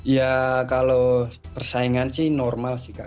ya kalau persaingan sih normal sih kak